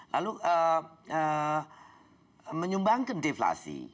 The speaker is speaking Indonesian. lalu menyumbangkan deflasi